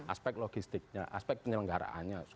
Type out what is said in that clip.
aspek logistiknya aspek penyelenggaraannya